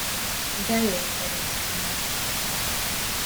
De jó cserét csináltál!